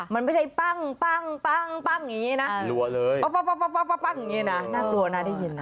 มันไม่ใช่ปั้งแบบนี้นะหลัวเลยแน่น่ากลัวน่าได้ยิน